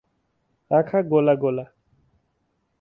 आँखा गोला गोला ।